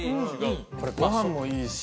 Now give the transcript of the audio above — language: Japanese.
これご飯もいいし。